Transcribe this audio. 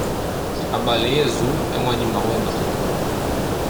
A baleia azul é um animal enorme.